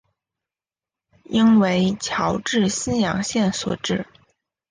应为侨置新阳县所置。